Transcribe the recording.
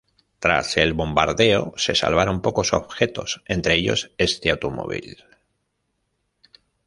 Tras el bombardeo, se salvaron pocos objetos, entre ellos este automóvil.